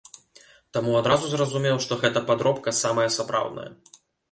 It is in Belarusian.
Таму адразу зразумеў, што гэта падробка самая сапраўдная.